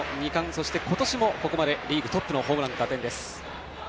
そして今年もここまでリーグトップのホームランと打点です。